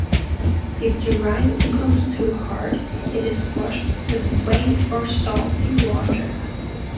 If the rind becomes too hard, it is washed with whey or salty water.